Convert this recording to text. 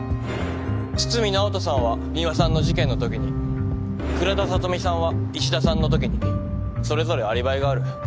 堤直人さんは美和さんの事件のときに倉田聡美さんは衣氏田さんのときにそれぞれアリバイがある。